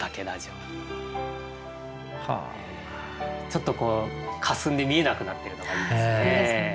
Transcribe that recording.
ちょっとこうかすんで見えなくなってるのがいいですね。